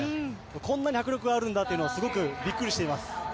こんなに迫力があるんだってすごくびっくりしています。